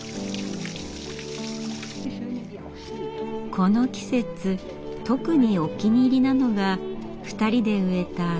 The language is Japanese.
この季節特にお気に入りなのが２人で植えた椿。